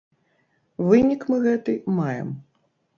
Вынік мы гэты маем.